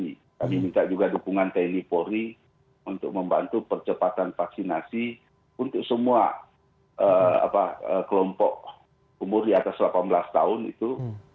kami minta juga dukungan tni polri untuk membantu percepatan vaksinasi untuk semua kelompok umur di atas delapan belas tahun itu